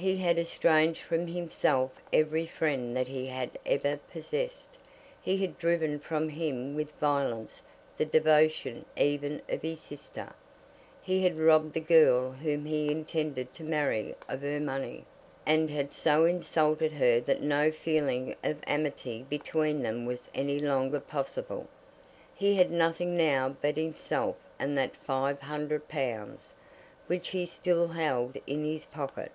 He had estranged from himself every friend that he had ever possessed. He had driven from him with violence the devotion even of his sister. He had robbed the girl whom he intended to marry of her money, and had so insulted her that no feeling of amity between them was any longer possible. He had nothing now but himself and that five hundred pounds, which he still held in his pocket.